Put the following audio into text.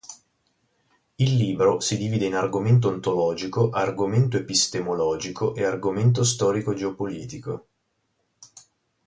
Il libro si divide in Argomento Ontologico, Argomento Epistemologico e Argomento Storico-geopolitico.